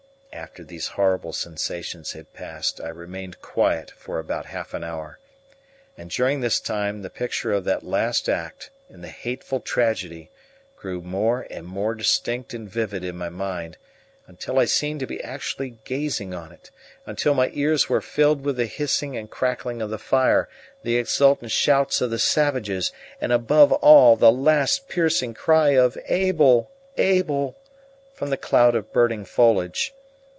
After these horrible sensations had passed, I remained quiet for about half an hour; and during this time the picture of that last act in the hateful tragedy grew more and more distinct and vivid in my mind, until I seemed to be actually gazing on it, until my ears were filled with the hissing and crackling of the fire, the exultant shouts of the savages, and above all the last piercing cry of "Abel! Abel!" from the cloud of burning foliage.